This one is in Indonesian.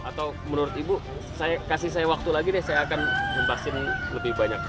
atau menurut ibu kasih saya waktu lagi deh saya akan membahasin lebih banyak